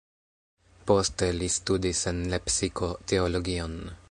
Poste li studis en Lepsiko teologion.